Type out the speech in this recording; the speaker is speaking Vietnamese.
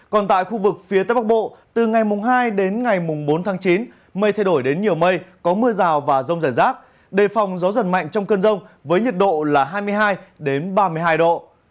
còn tại khu vực phía tây bắc bộ từ ngày mùng hai đến ngày mùng bốn tháng chín mây thay đổi đến nhiều mây có mưa rào và rông rải rác đề phòng gió giật mạnh trong cơn rông với nhiệt độ là hai mươi hai ba mươi hai độ